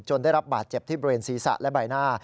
ได้รับบาดเจ็บที่บริเวณศีรษะและใบหน้า